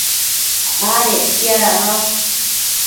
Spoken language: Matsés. adec chiadanosh